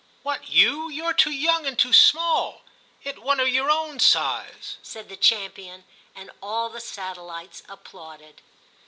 * What, you ? You're too young and too small ; 'it one o' your own size,' said the champion, and all the satellites applauded.